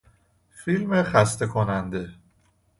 فیلم خسته کننده